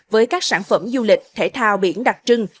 với các sản phẩm du lịch thể thao biển đặc trưng